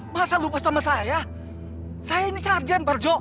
masa lupa sama saya saya ini sarjan barjo